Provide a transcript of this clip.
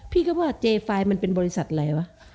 พี่ก็ว่าเจไฟล์มันเป็นบริษัทอะไรวะ